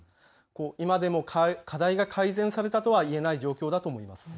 今でも課題が改善されたとは言えない状況だと思います。